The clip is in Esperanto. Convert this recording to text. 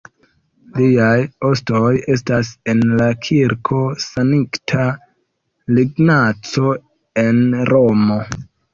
Liaj ostoj estas en la Kirko Sankta Ignaco en Romo.